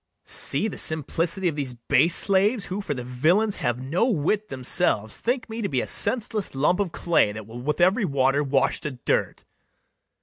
[Exeunt three JEWS.] See the simplicity of these base slaves, Who, for the villains have no wit themselves, Think me to be a senseless lump of clay, That will with every water wash to dirt!